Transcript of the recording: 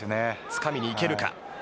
つかみにいけるか。